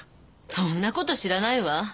そんなこと知らないわ。